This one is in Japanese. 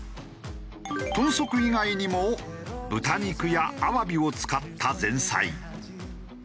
豚足以外にも豚肉やアワビを使った前菜。